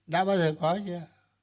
đã bao giờ có chưa